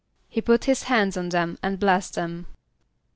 =He put his hands on them and blessed them.